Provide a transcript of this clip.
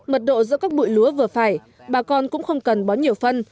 mật độ giữa các bụi lúa vừa phải bà con cũng không cần bón nhiều phân